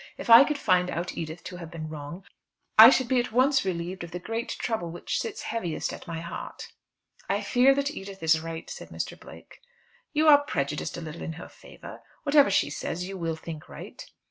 If I could find out Edith to have been wrong, I should be at once relieved of the great trouble which sits heaviest at my heart." "I fear that Edith is right," said Mr. Blake. "You are prejudiced a little in her favour. Whatever she says you will think right."